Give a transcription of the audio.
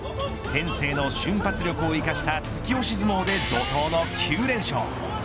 天性の瞬発力を生かした突き押し相撲で怒涛の９連勝。